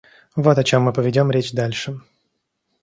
Вот о чем мы поведем речь дальше.